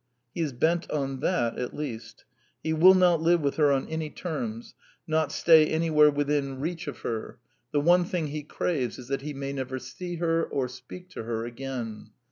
He is bent on that, at least: he will not live with her on any terms, not stay anywhere Within reach 158 The Quintessence of Ibsenism of her: the one thing he craves is that he may never see her or speak to her again.